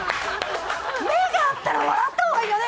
目が合ったら笑ったほうがいいよね！